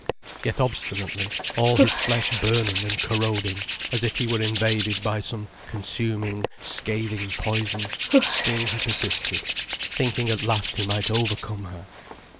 Yet obstinately, all his flesh burning and corroding, as if he were invaded by some consuming, scathing poison, still he persisted, thinking at last he might overcome her.